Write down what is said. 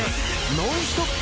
ノンストップ！